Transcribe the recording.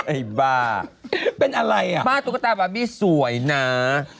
ไอ้บ้าเป็นอะไรอ่ะบ้าตุ๊กตาบาร์บี้สวยนะ